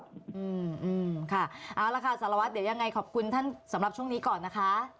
อืมค่ะเอาละค่ะสารวัตรเดี๋ยวยังไงขอบคุณท่านสำหรับช่วงนี้ก่อนนะคะ